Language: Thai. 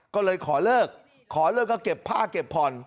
ก็เลยขอเลิกขอเลิกก็เก็บผ้าเก็บผ่อน